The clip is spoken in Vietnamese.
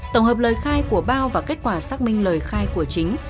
tổng hợp lời khai của bao và kết quả xác minh lời khai của chính